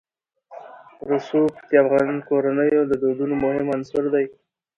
رسوب د افغان کورنیو د دودونو مهم عنصر دی.